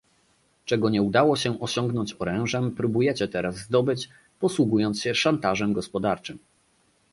Czego nie udało się osiągnąć orężem, próbujecie teraz zdobyć, posługując się szantażem gospodarczym